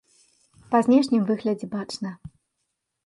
Па знешнім выглядзе бачна.